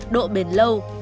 độ bền lâu